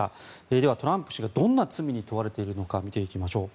では、トランプ氏がどんな罪に問われているのか見ていきましょう。